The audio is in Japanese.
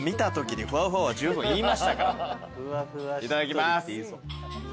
いただきます。